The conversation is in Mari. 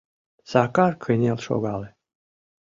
Сакар кынел шогале.